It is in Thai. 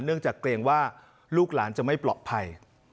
จากเกรงว่าลูกหลานจะไม่ปลอดภัย